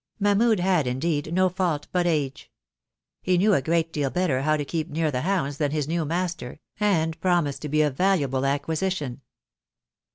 Mahmud had, indeed, no fault but age. He knew a great deal better how to keep near the hounds than his new master, and promised to be a valuable acquisition.